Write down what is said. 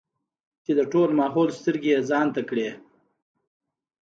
چې د ټول ماحول سترګې يې ځان ته کړې ـ